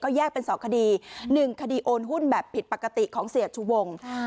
แยกเป็น๒คดี๑คดีโอนหุ้นแบบผิดปกติของเสียชูวง